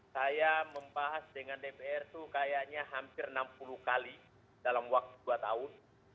saya membahas dengan dpr itu kayaknya hampir enam puluh kali dalam waktu dua tahun